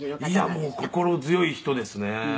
「いやもう心強い人ですね」